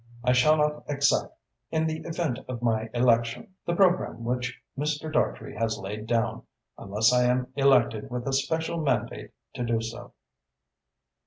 I shall not accept, in the event of my election, the programme which Mr. Dartrey has laid down, unless I am elected with a special mandate to do so."